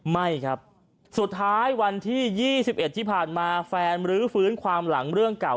ไม่ครับสุดท้ายวันที่๒๑ที่ผ่านมาแฟนรื้อฟื้นความหลังเรื่องเก่า